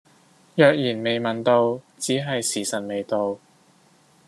若然未問到，只係時晨未到